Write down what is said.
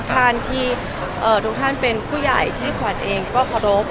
ท่านที่ทุกท่านเป็นผู้ใหญ่ที่ขวัญเองก็เคารพ